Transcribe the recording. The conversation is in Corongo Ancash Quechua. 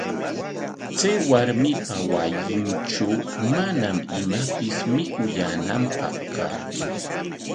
Chay warmipa wasintraw manam imapis mikuyaananpaq kantsu.